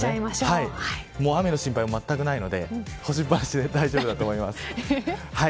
雨の心配もまったくないので干しっぱなしで大丈夫だと思います。